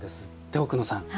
奥野さん。